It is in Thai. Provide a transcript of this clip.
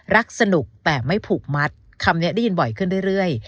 รักสนุกแต่ไม่ผูกมัดคำนี้ได้ยินบ่อยขึ้นเรื่อย